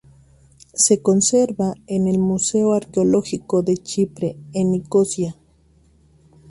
Se conserva en el Museo Arqueológico de Chipre, en Nicosia.